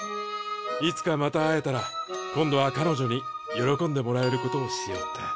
いつかまた会えたら今度はかのじょに喜んでもらえることをしようって。